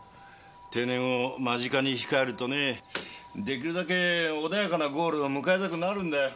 定年を間近に控えるとね出来るだけ穏やかなゴールを迎えたくなるんだよ。